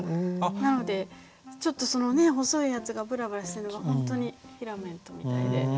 なのでちょっとその細いやつがぶらぶらしてるのが本当にフィラメントみたいで。